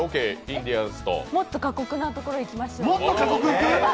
もっと過酷なところ行きましょうよ。